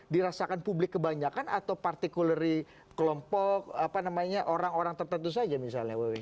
dirasakan publik kebanyakan atau particuleri kelompok apa namanya orang orang tertentu saja misalnya wb